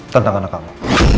tentang anak kamu